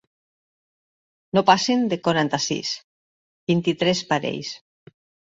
No passen de quaranta-sis, vint-i-tres parells.